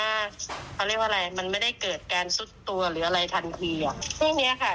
เขาเรียกว่าอะไรมันไม่ได้เกิดแกนซุดตัวหรืออะไรทันทีอ่ะ